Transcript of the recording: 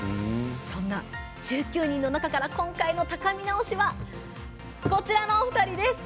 そんな１９人の中から今回のたかみな推しはこちらのお二人です。